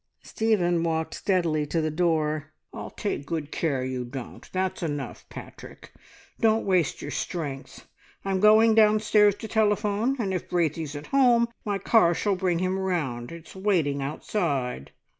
Stephen walked steadily to the door. "I'll take good care you don't. That's enough, Patrick, don't waste your strength! I'm going downstairs to telephone, and if Braithey's at home my car shall bring him round. It's waiting outside."